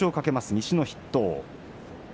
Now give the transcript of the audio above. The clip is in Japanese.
西の筆頭。